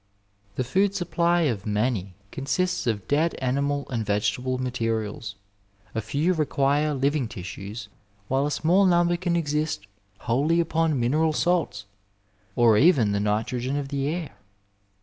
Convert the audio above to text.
The food supply of many consists of dead animal and vegetable materials, a few require living tissues, while a small number can exist wholly upon mineral salts, or even the nitrogen of the air.